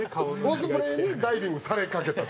オスプレイにダイビングされかけた。